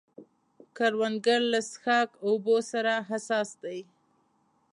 کروندګر له څښاک اوبو سره حساس دی